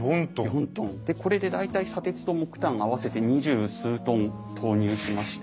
これで大体砂鉄と木炭を合わせて２０数トン投入しまして。